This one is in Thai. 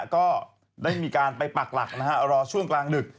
ก็ได้มีการไปปักหลักรอช่วงกลางดึก